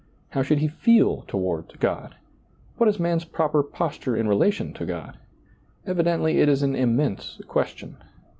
how should ' he feel toward God ? what is man's proper posture in relation to God? Evidently it is an immense question.